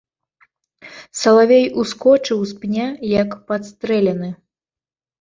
Салавей ускочыў з пня, як падстрэлены.